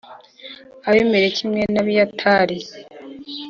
Ahimeleki v mwene abiyatari